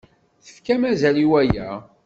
Tefkamt azal i waya.